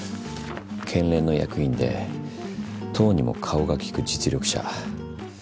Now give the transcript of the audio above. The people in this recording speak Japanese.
県連の役員で党にも顔が利く実力者。